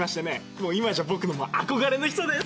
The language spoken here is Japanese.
もう今じゃ僕のあこがれの人です。